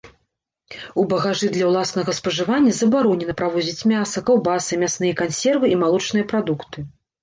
У багажы для ўласнага спажывання забаронена правозіць мяса, каўбасы, мясныя кансервы і малочныя прадукты.